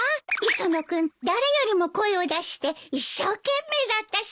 磯野君誰よりも声を出して一生懸命だったし。